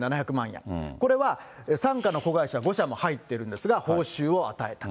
これは傘下の子会社５社も入っているんですが、報酬を与えた。